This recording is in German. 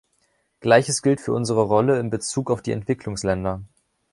Gleiches gilt für unsere Rolle in Bezug auf die Entwicklungsländer.